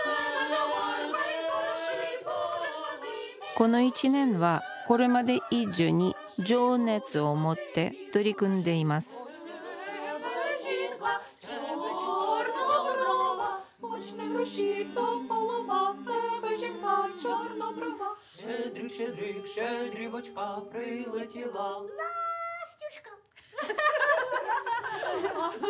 この１年はこれまで以上に情熱を持って取り組んでいますでも告白します。